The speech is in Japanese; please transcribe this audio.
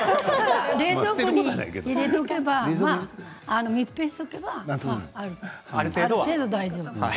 冷蔵庫に入れておけば密閉しておけばある程度大丈夫です。